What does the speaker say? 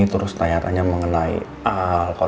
terus tanya tanya mengenai